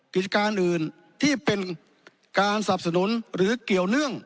กิจการอื่นที่เป็นการสับสนุนหรือเกี่ยวเนื่อง